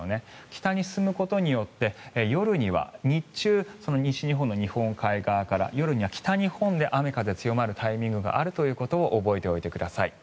北に進むことによって日中、西日本の日本海側から夜には北日本で雨、風強まるタイミングがあるということを覚えておいてください。